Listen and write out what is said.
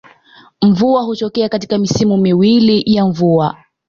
Mvua hutokea katika misimu miwili ya mvua